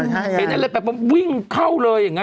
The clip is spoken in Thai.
เห็นอะไรแบบว่าวิ่งเข้าเลยอย่างนี้